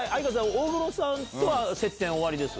大黒さんとは接点おありです？